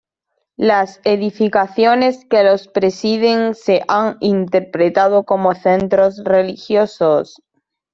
Las edificaciones que los presiden se han interpretado como centros religiosos.